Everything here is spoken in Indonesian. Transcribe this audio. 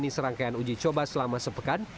dan menjalani serangkaian uji coba selama sepekan